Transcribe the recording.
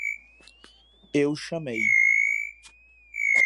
Eu chamei.